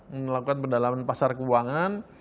melakukan pendalaman pasar keuangan